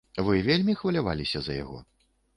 Вы вельмі хваляваліся за яго?